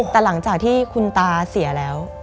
แต่หลังจากที่คุณตาเสียแล้ว